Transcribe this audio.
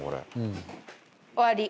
終わり。